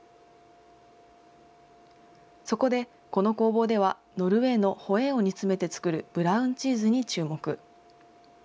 そこでこの工房では、ノルウェーのホエーを煮詰めて作るブラウンチーズに注目。